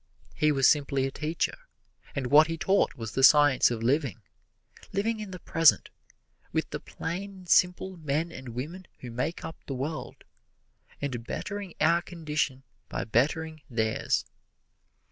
He was simply a teacher, and what he taught was the science of living living in the present, with the plain and simple men and women who make up the world, and bettering our condition by bettering theirs.